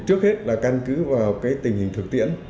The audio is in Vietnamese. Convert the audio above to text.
trước hết là căn cứ vào tình hình thực tiễn